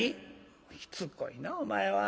「ひつこいなお前は。